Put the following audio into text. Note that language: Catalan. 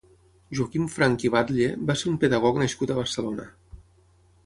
Joaquim Franch i Batlle va ser un pedagog nascut a Barcelona.